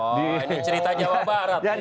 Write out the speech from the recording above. oh ini cerita jawabnya